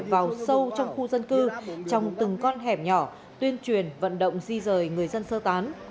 vào sâu trong khu dân cư trong từng con hẻm nhỏ tuyên truyền vận động di rời người dân sơ tán